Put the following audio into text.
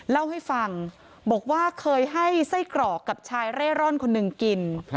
เล่าให้ฟังบอกว่าเคยให้ไส้กรอกกับชายเร่ร่อนคนหนึ่งกิน